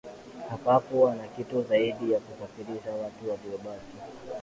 hapakuwa na kitu zaidi ya kusafirisha watu waliobaki